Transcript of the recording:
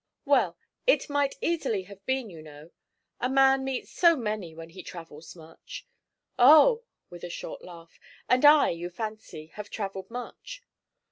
'Well, it might easily have been, you know. A man meets so many when he travels much.' 'Oh!' with a short laugh; 'and I, you fancy, have travelled much?'